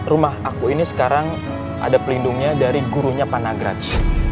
rumah aku ini sekarang ada pelindungnya dari gurunya panagraj